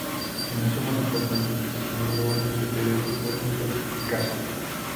El museo más importante que se inauguró en este periodo fue el Museo Picasso.